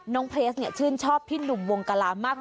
เพลสเนี่ยชื่นชอบพี่หนุ่มวงกลามาก